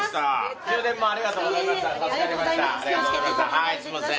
はいすみません。